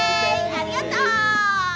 ありがとう！